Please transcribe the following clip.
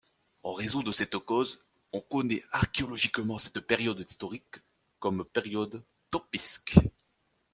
En raison de cette cause, on connaît archéologiquement cette période historique comme Période Tempisque.